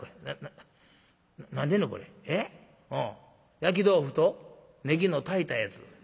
焼き豆腐とねぎの炊いたやつ。